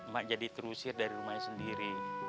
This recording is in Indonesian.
mak jadi terusir dari rumahnya sendiri